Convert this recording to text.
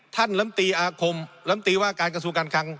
ลำตีอาคมลำตีว่าการกระทรวงการคัง